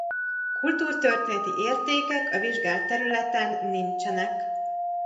Kultúrtörténeti értékek a vizsgált területen nincsenek.